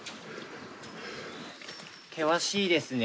険しいですね。